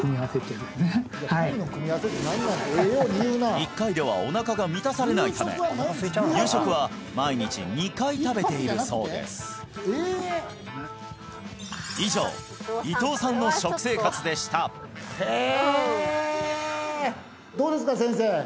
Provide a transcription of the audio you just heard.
１回ではおなかが満たされないため夕食は毎日２回食べているそうです以上ええ！